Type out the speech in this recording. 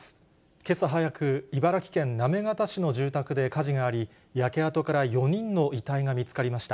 けさ早く、茨城県行方市の住宅で火事があり、焼け跡から４人の遺体が見つかりました。